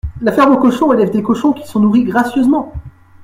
La ferme aux cochons élève des cochons qui sont nourris gracieusement.